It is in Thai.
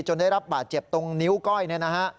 จนได้รับบาดเจ็บตรงนิ้วก้อยนะครับ